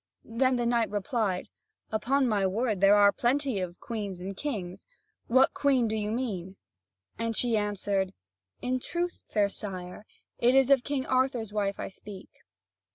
Then the knight replied: "Upon my word, there are plenty of queens and kings; what queen do you mean?" And she answered: "In truth, fair sire, it is of King Arthur's wife I speak."